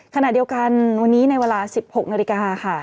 ขณะเดียวกันวันนี้ในเวลา๑๖นาฬิกาค่ะ